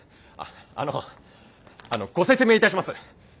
あのあのご説明いたします。